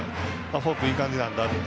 フォークいい感じなんだって。